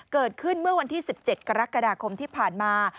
เกิดขึ้นเมื่อวันที่๑๗กรกฎาคมที่ผ่านมา